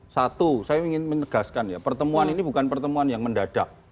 satu saya ingin menegaskan ya pertemuan ini bukan pertemuan yang mendadak